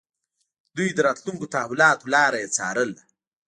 دوی د راتلونکو تحولاتو لاره يې څارله.